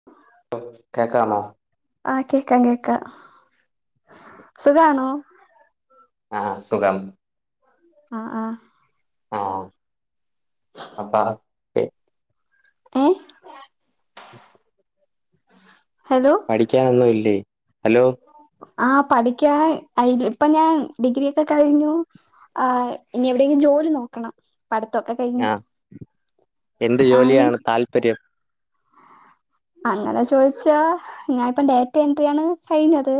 [inaudible] കേക്കാമൊ ആഹ് കേക്കാം കേക്കാം സുഖാണോ ആ സുഖാണ് ആ ആഹ് ആ [unintelligible] ഏ [inaudible] ഹലോ പഠിക്കാനൊന്നും ഇല്ലേ ഹലോ ആഹ പഠിക്കാ [unintelligible] ഇപ്പൊ ഞാൻ ഡിഗ്രിയൊക്കെ കഴിഞ്ഞു ആഹ് ഇനി എവിടെയെങ്കിലും ജോലി നോക്കണം പഠിതൊക്കെ കഴിഞ്ഞു ആഹ് എന്ത് ആഹ് നീ ജോലിയാണ് താല്പര്യം [inaudible] അങ്ങനെ ചോദിച്ചാ ഞൻ ഇപ്പ ഡാറ്റ എൻട്രി ആണ് കഴിഞ്ഞത്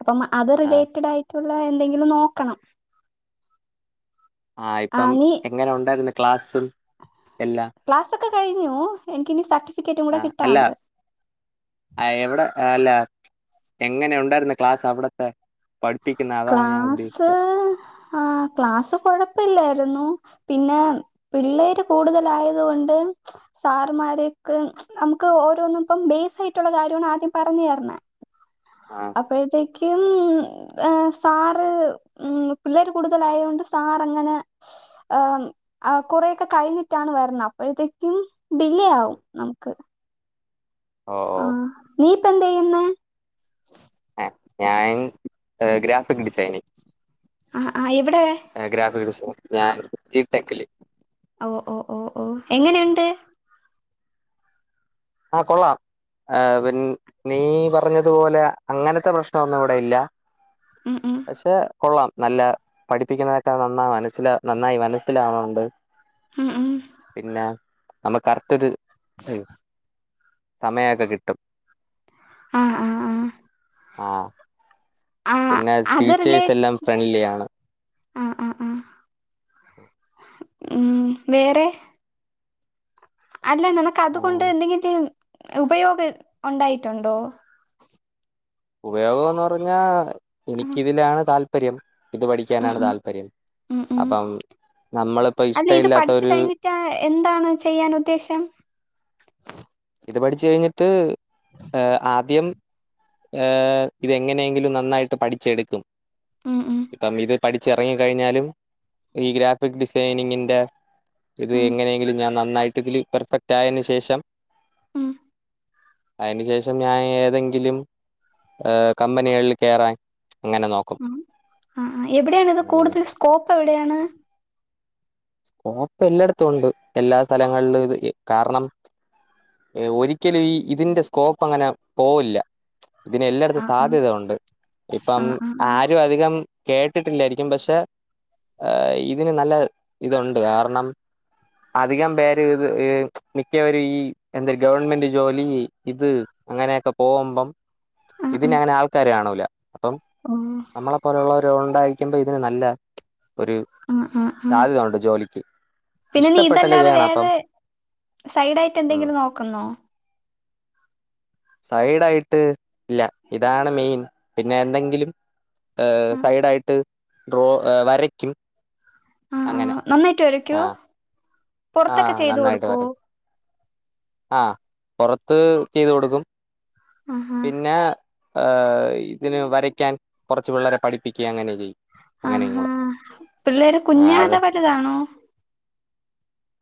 അപ്പം അത് ആഹ് റിലേറ്റഡ് ആയിട്ടുള്ള എന്തെങ്കിലും നോക്കണം ആഹ ഇപ്പം ആഹ് നീ എങ്ങനെ ഉണ്ടായിരുന്നു ക്ലാസ്സും എല്ലാം ക്ലാസ് ഒക്കെ കഴിഞ്ഞു എനിക്കിനി സ ആഹ് അല്ല ആ എവിടെ അല്ല എങ്ങനെ ഉണ്ടായിരുന്ന ക്ലാസ് അവിടത്തെ പഠിപ്പിക്കുന്ന അതാണ് ഞാൻ ക്ലാസ്സ് ഉദ്ദേശിച്ചത് ആ ക്ലാസ് കൊഴപ്പില്ലായിരുന്നു പിന്നെ പിള്ളേര് കൂടുതലായത് കൊണ്ട് സാറമാരൊക്കെ നമുക്ക് ഓരോന്നും ഇപ്പം ബേസായിട്ടുള്ള കാര്യമാണ് ആദ്യം പറഞ് തരണേ ആ അപ്പോഴത്തേക്കും ആ സാറ് ഉം പിള്ളേര് കൂടുതലായൊണ്ട് സാർ അങ്ങനെ ഉം കുറെയൊക്കെ കഴിഞ്ഞിട്ടാണ് വരുന്നത് അപ്പോഴത്തെേ ഉം ഡിലേ ആവും നമുക്ക് ഒ ഓ ആ നീ ഇപ്പ എന്ത ചെയ്യുന്നെ ആ ഞാൻ ഗ്രാഫിക് ഡിസൈനിങ് ആ ആ എവിടെ ഗ്രാഫിക് ഡിസൈൻ ഞാൻ ജിടെക്കില് ഓ ഓ ഓ ഓ, എങ്ങനെയുണ്ട്? ആഹ, കൊള്ളാം. ആ, പി നീ പറഞ്ഞതുപോലെ അങ്ങനത്തെ പ്രശ്നൊന്നും അവിടെ ഇല്ല. ഉം ഉം. പക്ഷെ കൊള്ളാം. നല്ല പഠിപ്പിക്കുന്നതൊക്കെ നന്ന മനസ്സില നന്നായി മനസ്സിലാണണ്ട്. ഉം ഉം പിന്നെ നമ്മ കറക്ടൊരു... സമയമൊക്കെ കിട്ടും. ആഹ ആ ആ. ആഹ. ആ പിന്നെ അത് റിലേ ടീച്ചേഴ്സ് എല്ലാം ഫ്രണ്ട്ലി ആണ്. ആ ആ ആ ഉം, വേറെ? അല്ല നിനക്ക് അതുകൊണ്ട് എന്തെങ്കിലും ഉപയോഗം ഉണ്ടായിട്ടുണ്ടോ? ഉപയോഗന്ന് പറഞ്ഞാ ആ, എനിക്കി തിലാണ് താല്പര്യം, ഇത് ഉം പഠിക്കാനാണ് ഉം താല്പര്യം. ഉം ഉം അപ്പം, നമ്മളിപ്പോ അല്ല ഇഷ്ട ഇത് ഇല്ലാത്തന്... [unintelligible] എന്താണ് ചെയ്യാൻ ഉദ്ദേശം? ഇത് പഠിച്ച് കഴിഞ്ഞിട്ട്, ആദ്യം... ഹെ... ഇത്ങ്ങനെയെങ്കിലും നന്നായിട്ട് പഠിച്ചെടുക്കും. ഉം ഉം ഇപ്പം ഇത്... പഠിച്ചിറങ്ങി കഴിഞ്ഞാലും ഈ ഗ്രാഫിക് ഡിസൈനിങ്ങിന്റെ... ഇത് ഉം എങ്ങനെയെങ്കിലും ഞാൻ നന്നായിട്ട് ഇതില് പെർഫെക്റ്റ് ആയതിന് ശേഷം... ഉം. അതിന് ശേഷം ഞാൻ ഏതെങ്കിലും കമ്പനികളിൽ കയറാൻ അങ്ങനെ നോക്കും. ഉം ആ ഹ, എവിടെയാണ് ഇത് ഉം കൂടുതൽ സ്കോപ്പ് എവിടെയാണ്? സ്കോപ്പ് എല്ലാടത്തും ഉണ്ട്. എല്ലാ സ്ഥലങ്ങളിലും ഇ കാരണം? ഒരിക്കലും ഈ ഇതിന്റെ സ്കോപ്പ് അങ്ങനെ പോവില്ല. ഇതിന് ആ എല്ലായിടത്തും ആ സാധ്യത ഉണ്ട്. ആ ഇപ്പം ആ ആ ആരും അധികം കേട്ടിട്ടില്ലായിരിക്കും പക്ഷെ ഇതിന് നല്ല ഇതുണ്ട്. കാരണം? അധികം പേര് ഇത് മിക്കവരു ഈ എന്ത ഗവൺമെന്റ് ജോലി? ഇത് അങ്ങനെയൊക്കെ പോവുമ്പം ആ ആ ഇതിനങ്ങനെ ആൾക്കാര കാണൂല. അപ്പം ഓ നമ്മളെ പോലെയുള്ളവരു ഉണ്ടായിരിക്കുമ്പോ ഇതിന് നല്ല ഒരു ആഹ് ആഹ് ആഹ് സാധ്യത ഉണ്ട് ജോലിക്ക് പിന്നെ ഇഷ്ടപ്പെട്ടല്ലേ നീതല്ലാതെ ചെയ്യണം അപ്പം വേറെ സൈഡായിട്ട് ഉം എന്തെങ്കിലും നോക്കുന്നോ? സൈഡ ആയിട്ട് ഇല്ല, ഇതാണ് മെയിൻ. പിന്നെ എന്തെങ്കിലും ഹെ, ആ സൈഡായിട്ട് ഡ്രോ വരയ്ക്കും. ആ ആ അങ്ങനെ നന്നായിട്ട് വരയ്ക്കോ ആഹ് പുറത്തൊക്കെ ആഹ് ചെയ്തു നന്നായിട്ട് കൊടുക്കോ വര ആഹ് പുറത്ത് ചെയ്ത് കൊടുക്കും. ആ ആ പിന്നെ ആഹ് ഇതിന് വരയ്ക്കാൻ കൊറച്ച് പിള്ളേരെ പഠിപ്പിക്ക അങ്ങനെ ചെയ്യും. അങ്ങനെയും ആഹാ! കൂടെ പിള്ളേര് ആഹ് കുഞ്ഞാ അത് അതാ വലുതാണോ?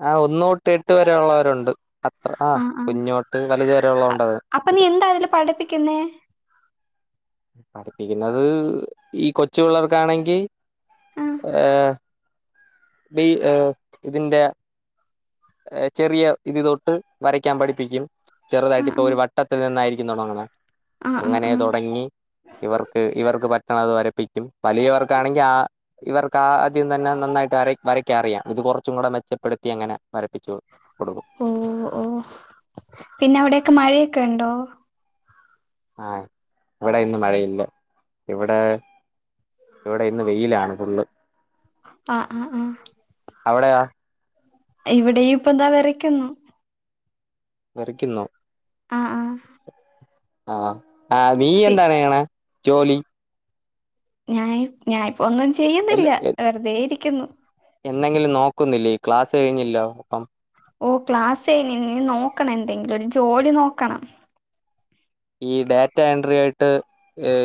ആ, ഒന്നോട്ട് എട്ട് വരെ ഉള്ളവരുണ്ട്. അത്ര ആ ആഹ് ആഹ് കുഞ്ഞോട്ട് വലതു വരെ ഉള്ളത് ഉണ്ട [unintelligible] അപ്പൊ നീ എന്താ അതില് പഠിപ്പിക്കുന്നേ? പഠിപ്പിക്കുന്നത് ഈ കൊച്ചു പിള്ളേർക്കാണെങ്കി ആഹ് ഏഹ് ബി ഹെ ഇതിന്റെ ഏഹ് ചെറിയ ഇത് തൊട്ട് വരക്കാൻ പഠിപ്പിക്കും. ചെറുതായിട്ട് ആഹ് ഇപ്പൊ ആഹ് ഒരു വട്ടത്തിൽ നിന്നായിരിക്കും തുടങ്ങുന്നേ. ആഹ് ആഹ് അങ്ങനെ ആഹ് തുടങ്ങി ഇവർക്ക് ഇവർക്ക് പറ്റണത് വരപ്പിക്കും. വലിയവർക്കാണെങ്കിൽ ആ ഇവർക്ക് ആദ്യം തന്നെ നന്നായിട്ട് വര വരക്ക അറിയാം. ഇത് കൊർച്ചും കൂടെ മെച്ചപ്പെടുത്തി അങ്ങനെ വരു പ്പിച്ച് കൊടുക്കും ഓഹ് ഓഹ് പിന്നെ അവിടെക്കെ മഴയൊക്കെ ഉണ്ടോ? ആഹ് ഇവിടെ ഇന്നും മഴയില്ല. ഇവിടെ ഇവിടെ ഇന്ന് വെയിലാണ് ഫുള്ള്. ആഹ് ആഹ് ആഹ് അവിടെയാ ഇവിടെയും ഇപ്പതാ വരക്കുന്നു. വെരയ്ക്കുന്നോ? ആഹ് ആഹ്. ആഹ് ആ നീ പി എന്താണ് ചെയ്യണ് ജോലി? ഞാൻ, ഞാ ഇപ്പോ ഒന്നും ചെയ്യുന്നില്ല വെറുതെ ഇരിക്കുന്നു. എന്നെങ്കിലും നോക്കുന്നില്ലേ ക്ലാസ് കഴിഞ്ഞല്ലോ? അപ്പം. ഓഹ് ക്ലാസഴ്ഞ്ഞ്. നി നോക്കണം എന്തെങ്കിലും ഒരു ജോലി നോക്കണം. ഈ ഡാറ്റ എൻട്രി ആയിട്ട്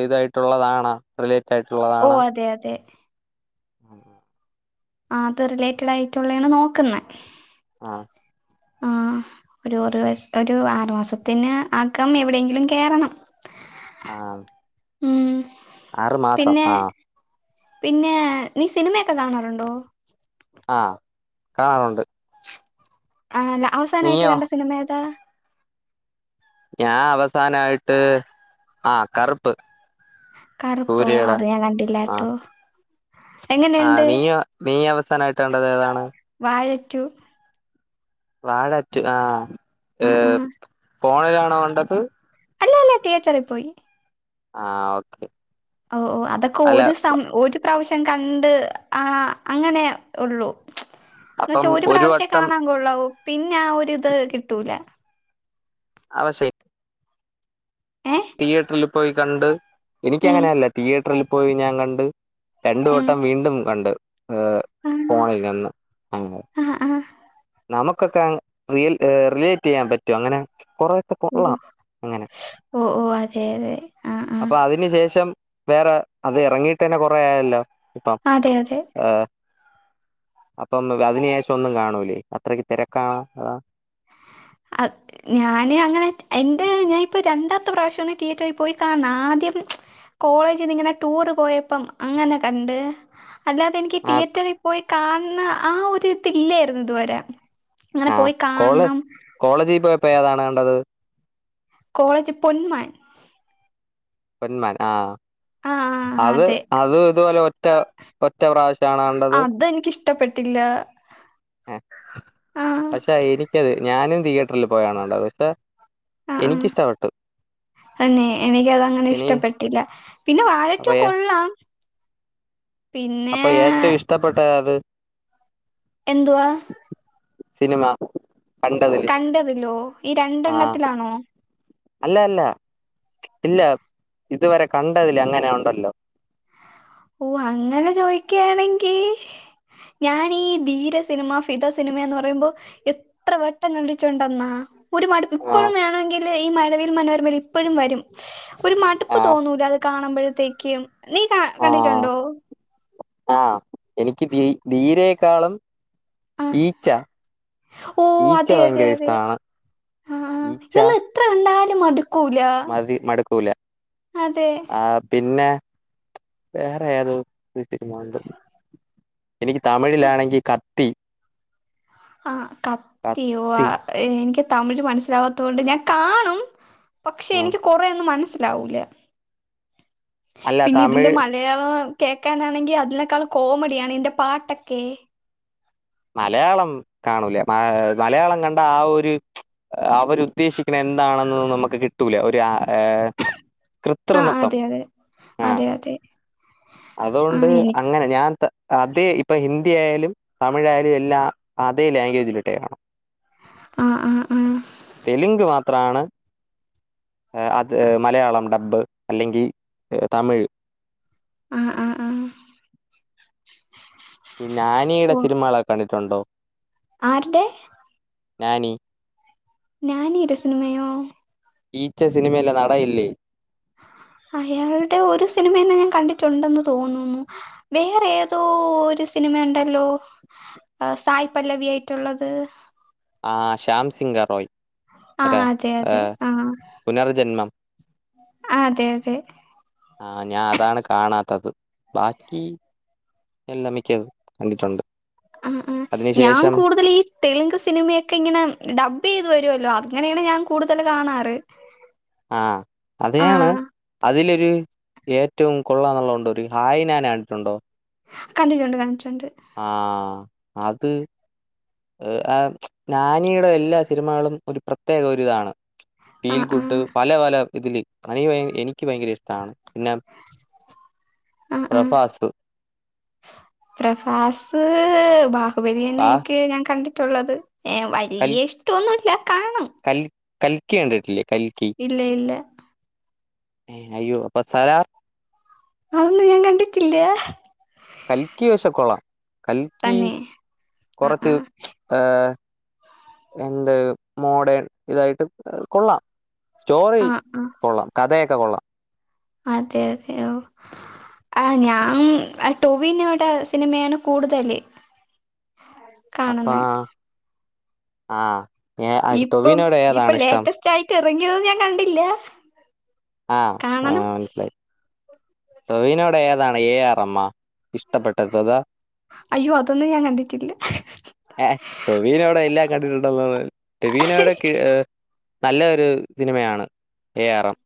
ഇതായിട്ടുള്ളതാണ റിലേറ്റ് ആയിട്ടുള്ളതാണ. ഓഹ് അതെ അതെ. ആഹ് ആഹ് അത് റിലേറ്റഡ് ആയിട്ടുള്ളാണ് നോക്കുന്നെ. ആഹ് ആഹ് ഒരു ഒരു വ ഒരു ആറു മാസത്തിന് ആക്കം എവിടെയെങ്കിലും കേറണം. ആഹ് ഉം ആറു മാസം പിന്നെ ആഹ് പിന്നെ നീ സിനിമയൊക്കെ കാണാറുണ്ടോ? ആഹ് കാണാറുണ്ട്. ആ അല്ല അവസാനായിട്ട് നീയോ കണ്ട സിനിമ ഏതാ? ഞാൻ അവസാനയിട്ട് ആ കറു. കറുപ്പോ അത് ഞാൻ കണ്ടില്ല ട്ടോ. ആ നീയോ നീ അവസാനായിട്ട് കണ്ടത് ഏതാണ്? വാഴ റ്റു വാഴ റ്റു ആഹ് ആ ആ ഏഹ് ഫോണിലാണോ കണ്ടത്? ല്ല തിയേറ്ററി പോയി ആഹ് ഓക്കെ ഓഹ് ഓഹ് അതൊക്കെ അല്ല ഒരു സം ഒരു പ്രാവശ്യം കണ്ട് ആഹ് അങ്ങനെ ഒള്ളു ന്നച്ചാ അപ്പം ഒരു പ്രാവശ്യേ വട്ടം കാണാൻ കൊള്ളാവു പിന്നെ ആഹ് ഒരിത് കിട്ടൂല അവ ശേ ഏ തിയേറ്ററിൽ പോയി കണ്ട് എനിക്ക് ഉം അങ്ങനെല്ല തിയേറ്ററിൽ പോയി ഞാൻ കണ്ട് രണ്ട് ഉം വട്ടം വീണ്ടും കണ്ട് ഏഹ് ആ ഫോണിൽ നിന്ന് ആഹ് ആ ആ നമുക്കൊക്കെ റിയൽ റിലേറ്റ്യ്യാൻ പറ്റൊ അങ്ങനെ കൊറെക്കെ ഓഹ് ഓഹ് ഓഹ് അതെ അതെ ആ ആ അപ്പൊ അതിന് ശേഷം വേറെ അത് എറങ്ങീട്ടന്നെ കൊറെ ആയല്ലോ ഇപ്പം അതെ അതെ ആഹ് അപ്പം അതിന് ശേഷം ഒന്നും കാണൂലേ അത്രക്ക് തെരക്കാണോ? അതാ അ ഞാന് അങ്ങനെ എന്റെ ഞാനിപ്പോ രണ്ടാമത്തെ പ്രാവശ്യാണ് തിയേറ്ററിൽ പോയി കാൺണെ ആദ്യം കോളേജിന്ന് ഇങ്ങനെ ടൂറ് പോയപ്പം അങ്ങനെ കണ്ട് അല്ലാതെ എനിക്ക് ആ തിയേറ്ററിൽ പോയി കാൺണെ ആഹ് ഒരു ഇതില്ലായിരുന്നു ഇതുവരെ കാൺണം കോളേജി പോയപ്പോ ഏതാണ് കണ്ടത്? കോളേജ് പൊന്മാൻ പെന്മാൻ ആഹ് ആ അത് അതെ അത് ഇതുപോലെ ഒറ്റ ഒറ്റ പ്രാവശ്യാണോ അതെനിക്കിഷ്ടപ്പെട്ടില്ലാ ഏയ് പക്ഷെ എനിക്കത് ഞാനും തിയേറ്ററിൽ [unintelligible] ആ ആ എനിക്കിഷ്ടവെട്ടു തന്നെ എനിക്ക് അത് അങ്ങനെ ഇനി ഇഷ്ടപ്പെട്ടില്ല പിന്നെ അപ്പൊ വാഴറ്റു കൊള്ളാം പിന്നെ അപ്പൊ ഏറ്റവും ഇഷ്ടപ്പെട്ടത് ഏത്? എന്തുവാ? സിനിമ കണ്ടതില് കണ്ടതില്ലോ ഈ ആ രണ്ടെണ്ണത്തിലാണോ? അല്ല അല്ല ഇല്ല ഇതുവരെ കണ്ടതില് അങ്ങനെ ഉണ്ടല്ലോ ഓ അങ്ങനെ ചോയ്ക്കാണെങ്കി ഞാനീ ധീര സിനിമ, ഫിത സിനിമയന്ന് പറയുമ്പോ എത്ര വട്ടം കണ്ടിട്ടുണ്ടന്നാ ഒരു മടുപ്പ് ആ ഇപ്പോഴും വേണങ്കില് ഈ മഴവിയിൽ മനോരമയിൽ ഇപ്പഴും വരും ഒരു മടുപ്പ് ആ തോന്നൂല്ല അ കാണുമ്പോഴത്തേക്കും നീ കാ കണ്ടിട്ടുണ്ടോ? ആഹ് എനിക്ക് ധീ ധീരെക്കാളും ആ ഈച്ച ഓ ഈച്ച അതെ അതെ ഭയങ്കര അതെ ഇഷ്ടാണ് ആ ആ. ഈച്ച ഇതൊന്നും എത്ര കണ്ടാലും മടുക്കൂല ര് മട്ക്കൂല അതെ ആഹ് പിന്നെ വേറെ ഏതോ സിനിമ കണ്ട് എനിക്ക് തമിഴിലാണെങ്കി കത്തി ആഹ് കത്തിയോ കത്തി എനിക്ക് തമിഴ് മനസ്സിലാവാത്തോണ്ട് ഞാൻ കാണും പക്ഷെ ഉം എനിക്ക് കൊറൊന്നും മനസ്സിലാവൂല അല്ല പിന്നെ ഇതിന്റെ തമിഴ് മ യാളം കേക്കാനാണെങ്കി അതിനേക്കാളും കോമഡിയാണ് ഇയ്ന്റെ പാട്ടൊക്കെ മലയാളം കാണൂല മ മലയാളം കണ്ടാ ആഹ് ഒരു അവര് ഉദ്ദേശിക്ണത് എന്താണെന്ന് നമുക്ക് കിട്ടൂല ഒരു ആഹ് ഏഹ് ആഹ് അതെ അതെ ആഹ് ആ അതെ അതെ ആ അതുകൊണ്ട് എനി അങ്ങനെ ഞാൻ തെ അതേ ഇപ്പൊ ഹിന്ദി ആയാലും തമിഴായാലും എല്ലാം അതേ ലാംഗ്വേജിലിട്ടേ കാണാം. ആ ആ ആ തെലുങ്ക് മാത്ര ത്രമാണ് അത് മലയാളം ഡബ് അല്ലെങ്കിൽ തമിഴ്. ആഹ് ആഹ് ആഹ് ഈ നാണിയുടെ ഓ സിനിമകളെക്കെ കണ്ടിട്ടുണ്ടോ? ആരുടെ? നാനി നാനി യുടെ സിനിമയോ? ഈച്ച സിനിമയില നടാ ഇല്ലേ? അയാളുടെ ഒരു സിനിമ തന്നെ ഞാൻ കണ്ടിട്ടുണ്ടെന്ന് തോന്നുന്നു. വേറെ ഏതോ ഒരു സിനിമ ണ്ടല്ലോ? സായ് പല്ലവി ആയിട്ടുള്ളത്. ആഹ ഷ്യാംസിഗറോയ്. ആഹ് അതെ അതെ ആഹ പുനർജന്മം. ആഹ് അതെ അതെ ആഹ് ഞാൻ അതാണ് കാണാത്തത് ബാക്കി. എല്ലാം മിക്കത് കണ്ടിട്ടുണ്ട്. ആഹ് ആഹ് ഞാൻ അതിനുശേഷം കൂടുതൽ ഈ തെലുങ്ക് സിനിമയൊക്കെ ഇങ്ങനെ ഡബ് ചെയ്തു വരുവല്ലോ അങ്ങനെയാണ് ഞാൻ കൂടുതൽ കാണാറ്. ആഹ് അതെയാണ്. ആഹ് അതിലൊരു ഏറ്റവും കൊള്ള എന്നുള്ളതത്ണ്ട ഒരു ഹായ് ഞാന കണ്ടിട്ടുണ്ടോ? കണ്ടിട്ടുണ്ട് കണ്ടിട്ടുണ്ട്. ആഹ് അത്. ആഹ് നാനിയുടെ എല്ലാ സിനിമകളും ഒരു പ്രത്യേക ഒരിതാണ്. ഫീൽ ആഹ് ഗുഡ് ആഹ് പല പല ഇതില്. എനിക്ക് ഭയങ്കര ഇഷ്ടാണ് പിന്നെ ആഹ് ആഹ് പ്രഭാസ്. പ്രഭാസ് ബാഹുബലിന്നെ ആ എനിക്ക് ഞാൻ കണ്ടിട്ടുള്ളത്. ഏഹ കൽ വലിയ ഇഷ്ടോന്നുല്ല്യ കാണും. കൽ കൽക്കി കണ്ടിട്ടില്ലേ കൽക്കി. ഇല്ല ഇല്ല. ഏ അയ്യോ പ്പ സാലാർ. അതൊന്നും ഞാൻ കണ്ടിട്ടില്ലാ. കൽക്കി പശേ കൊളാം കൽക്കി തന്നെ ആഹ് കൊറച്ച്. ആഹ് ഏഹ എന്ത് മോഡേൺ ഇതായിട്ട് കൊള്ളാം. സ്റ്റോറി ആഹ് ആഹ് കൊള്ളാം കഥയൊക്കെ കൊള്ളാം. അതെ അതെയോ. ആ ഞാൻ ടൊവിനോടടെ സിനിമയാണ് കൂടുതൽല്. അപ്പൊ ആഹ് ഇപ്പം ഇപ്പൊ ലേറ്റസ്റ്റ് ആയിട്ട് ഇറങ്ങിയത് ഞാൻ കണ്ടില്ല. ആഹ ആ കാണണം മനസ്സിലായി. ടോവിനോടെ ഏതാണ് എ ആർ എം മാ. അയ്യോ അതൊന്നും ഞാൻ കണ്ടിട്ടില്ല. ഏ ടൊവിനേടെ എല്ലാം കണ്ടിട്ടുണ്ടന്നാണ് ടോവിനോവിടെ നല്ല ഒരു സിനിമയാണ് എ ആർ എം.